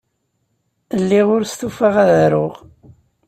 Lliɣ ur stufaɣ ad aruɣ.